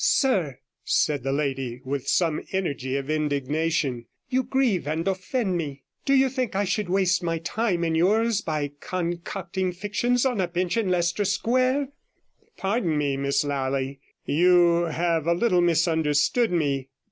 'Sir,' said the lady, with some energy of indignation, 'you grieve and offend me. Do you think I should waste my time and yours by concocting fictions on a bench in Leicester Square?' 'Pardon me, Miss Lally, you have a little misunderstood me.